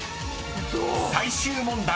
［最終問題］